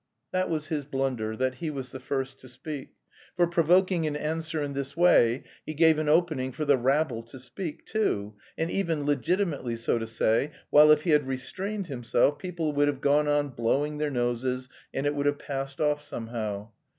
That was his blunder, that he was the first to speak; for provoking an answer in this way he gave an opening for the rabble to speak, too, and even legitimately, so to say, while if he had restrained himself, people would have gone on blowing their noses and it would have passed off somehow.